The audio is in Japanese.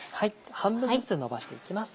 半分ずつのばしていきます。